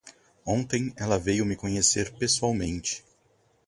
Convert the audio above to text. Ontem ela veio me conhecer pessoalmente.